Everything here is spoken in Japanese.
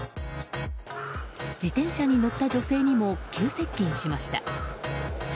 自転車に乗った女性にも急接近しました。